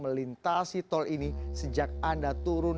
melintasi tol ini sejak anda turun